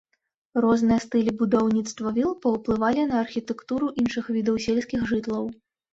Розныя стылі будаўніцтва віл паўплывалі на архітэктуру іншых відаў сельскіх жытлаў.